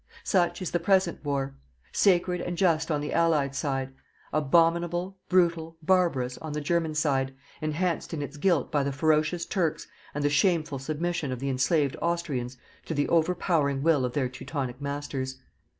Such is the present war: sacred and just on the Allied side; abominable, brutal, barbarous on the German side, enhanced in its guilt by the ferocious Turks and the shameful submission of the enslaved Austrians to the overpowering will of their teutonic masters.